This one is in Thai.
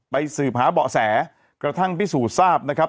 สืบหาเบาะแสกระทั่งพิสูจน์ทราบนะครับ